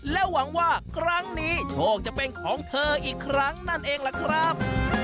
และหวังว่าครั้งนี้โชคจะเป็นของเธออีกครั้งนั่นเองล่ะครับ